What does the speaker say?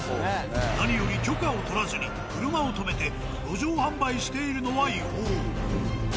何より許可を取らずに車をとめて路上販売しているのは違法。